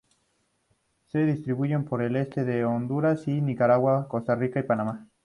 Se distribuyen por el este de Honduras y de Nicaragua, Costa Rica y Panamá.